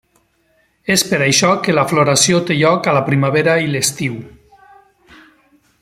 És per això que la floració té lloc a la primavera i l'estiu.